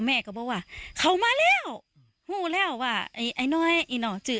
แม่ก็บอกว่าเขามาแล้วรู้แล้วว่าไอ้ไอ้น้อยไอ้หน่อชื่อ